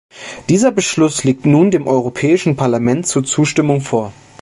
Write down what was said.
Dieser Beschluss liegt nun dem Europäischen Parlament zur Zustimmung vor.